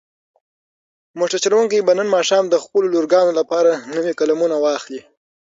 موټر چلونکی به نن ماښام د خپلو لورګانو لپاره نوې قلمونه واخلي.